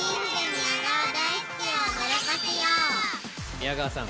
宮川さん！